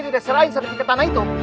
tidak selain sertifikat tanah itu